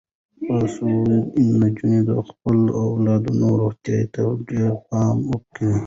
باسواده نجونې د خپلو اولادونو روغتیا ته ډیر پام کوي.